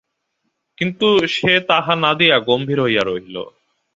কিন্তু সে তাহা না দিয়া গম্ভীর হইয়া রহিল।